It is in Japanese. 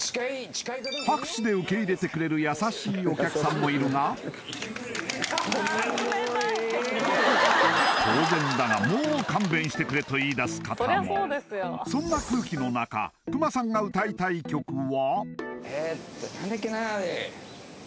拍手で受け入れてくれる当然だがもう勘弁してくれと言い出す方もそんな空気の中熊さんが歌いたい曲は？